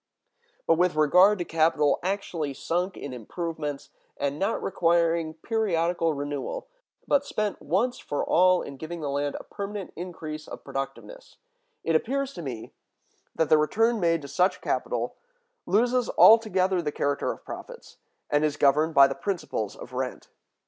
But with regard to capital actually sunk in improvements, and not requiring periodical renewal, but spent once for all in giving the land a permanent increase of productiveness, it appears to me that the return made to such capital loses altogether the character of profits, and is governed by the principles of rent.